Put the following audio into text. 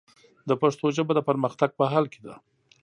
د پښتو ژبه، د پرمختګ په حال کې ده.